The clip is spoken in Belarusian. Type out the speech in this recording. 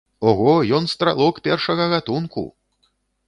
Ого, ён стралок першага гатунку!